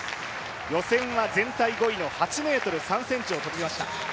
予選は全体５位の８ｍ３ｃｍを跳びました。